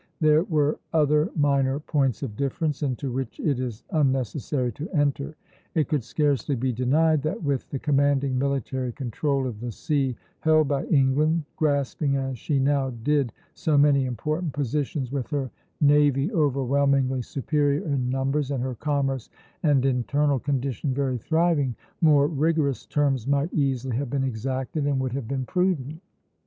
There were other minor points of difference, into which it is unnecessary to enter. It could scarcely be denied that with the commanding military control of the sea held by England, grasping as she now did so many important positions, with her navy overwhelmingly superior in numbers, and her commerce and internal condition very thriving, more rigorous terms might easily have been exacted and would have been prudent.